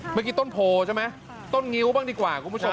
เมื่อกี้ต้นโพใช่ไหมต้นงิ้วบ้างดีกว่าคุณผู้ชม